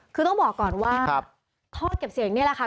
คือต้องบอกก่อนว่าท่อเก็บเสียงนี่แหละค่ะ